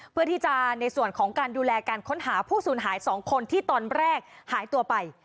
เพื่อที่จะในส่วนของการดูแลการค้นหาผู้สูญหาย๒คนที่ตอนแรกหายตัวไป